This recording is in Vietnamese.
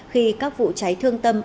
khi các vụ cháy thương tâm